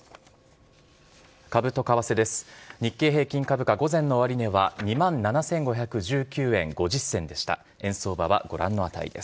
株と為替です。